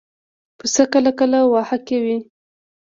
پسه کله کله واهه کوي.